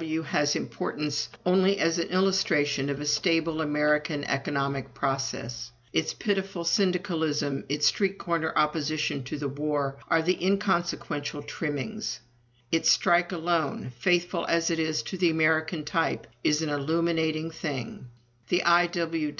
W. has importance only as an illustration of a stable American economic process. Its pitiful syndicalism, its street corner opposition to the war, are the inconsequential trimmings. Its strike alone, faithful as it is to the American type, is an illuminating thing. The I.W.W.